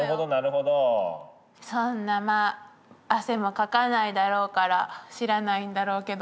そんなまあ汗もかかないだろうから知らないんだろうけど。